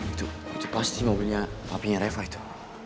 itu itu pasti mobilnya papinya reva itu